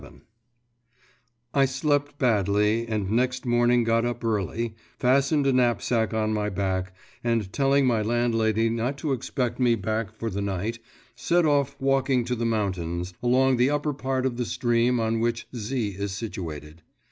VII I slept badly, and next morning got up early, fastened a knapsack on my back, and telling my landlady not to expect me back for the night, set off walking to the mountains, along the upper part of the stream on which Z. is situated.